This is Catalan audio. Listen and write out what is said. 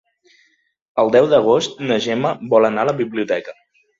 El deu d'agost na Gemma vol anar a la biblioteca.